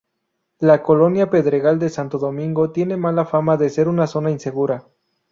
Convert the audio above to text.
La colonia Pedregal de Santo Domingo tiene mala fama de ser una zona insegura.